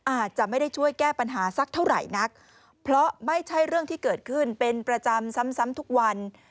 อาจจะไม่ได้ช่วยแก้ปัญหาสักเท่าไหร่นักเพราะไม่ใช่เรื่องที่เกิดขึ้นเป็นประจำซ้ำทุกวัน